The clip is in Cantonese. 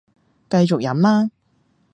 繼續飲啦